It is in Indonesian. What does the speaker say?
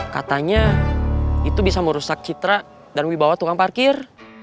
katanya itu bisa merusak citra dan wibawa tukang parkir